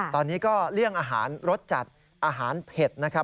ตอนนี้ก็เลี่ยงอาหารรสจัดอาหารเผ็ดนะครับ